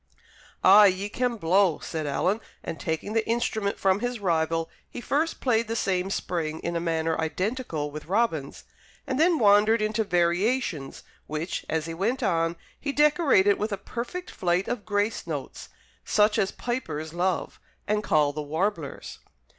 "Ay, ye can blow," said Alan; and, taking the instrument from his rival, he first played the same spring in a manner identical with Robin's; and then wandered into variations, which, as he went on, he decorated with a perfect flight of grace notes, such as pipers love, and call the "warblers."